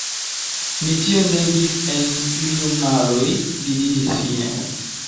Mi tion legis en ĵurnaloj, li diris fine.